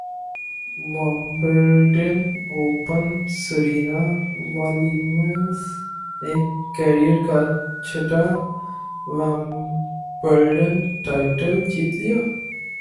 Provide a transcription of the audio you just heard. Wimbledon open Serena ولیمزنےکیرئیر کا چھٹا ومبلڈن ٹائٹل جیت لیا